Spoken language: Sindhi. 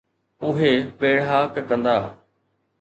اهي ويڙهاڪ ڪندا